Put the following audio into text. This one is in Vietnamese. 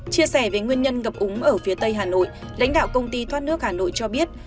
chia sẻ về nguyên nhân ngập úng ở phía tây hà nội lãnh đạo công ty thoát nước hà nội cho biết